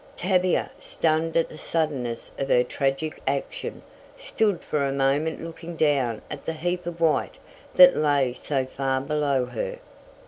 Tavia, stunned at the suddenness of her tragic action, stood for a moment looking down at the heap of white that lay so far below her.